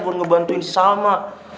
buat ngebantuin sama